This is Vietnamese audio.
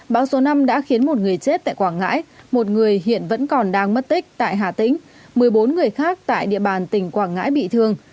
bão số năm đã khiến một người chết tại quảng ngãi một người hiện vẫn còn đang mất tích tại hà tĩnh một mươi bốn người khác tại địa bàn tỉnh quảng ngãi bị thương